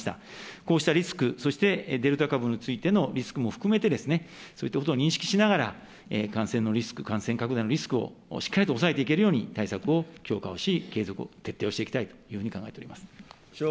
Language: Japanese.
こうしたリスク、そしてデルタ株についてのリスクも含めて、そういったことを認識しながら、感染のリスク、感染拡大のリスクをしっかりと抑えていけるように対策を強化をし、継続を徹底していきたいというふうに考えております。